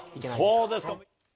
そうですか。